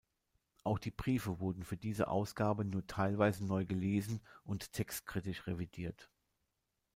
Auch die Briefe wurden für diese Ausgabe nur teilweise neu gelesen und textkritisch revidiert.